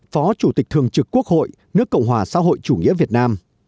phó chủ tịch thường trực quốc hội nước cộng hòa xã hội chủ nghĩa việt nam